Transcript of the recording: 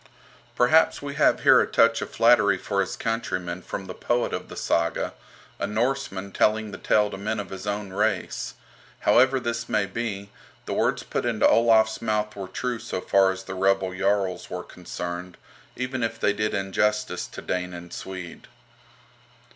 Perhaps we have here a touch of flattery for his countrymen from the poet of the "Saga," a Norseman telling the tale to men of his own race. However this may be, the words put into Olaf's mouth were true so far as the rebel Jarls were concerned, even if they did injustice to Dane and Swede.